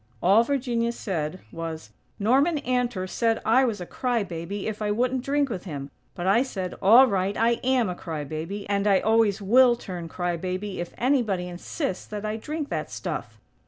All Virginia said was: "Norman Antor said I was a cry baby if I wouldn't drink with him. But I said, 'All right; I am a cry baby! And I always will turn 'cry baby' if anybody insists that I drink that stuff.'"